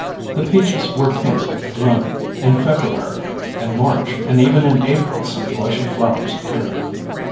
The peaches were pink with bloom in February and March, and even in April some blushing flowers appear.